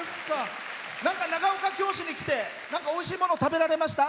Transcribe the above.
長岡京市に来ておいしいもの食べられました？